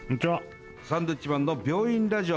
サンドウィッチマンの「病院ラジオ」。